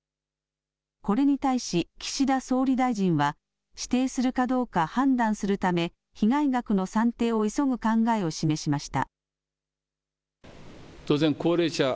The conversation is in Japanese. これに対し岸田総理大臣は指定するかどうか判断するため被害額の算定を急ぐ考えを示しました。